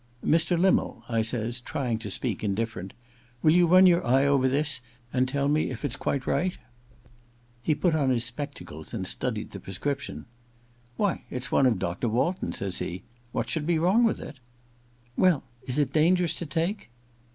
* Mr. Limmel,' I says, trying to speak in (UfFerent, * will you run your eye over this, and tell me if it's quite right ?' He put on his spectacles and studied the pre scription. *Why, it's one of Dr. Walton's,' says he. * What should be wrong with it ?'* Well — is it dangerous to take